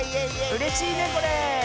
うれしいねこれ。